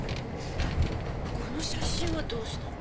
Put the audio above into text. この写真はどうしたの？